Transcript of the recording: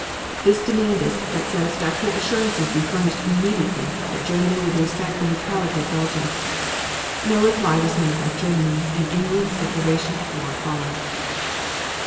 This demanded that satisfactory assurances be furnished immediately that Germany would respect the neutrality of Belgium. No reply was made by Germany and England's declaration of war followed.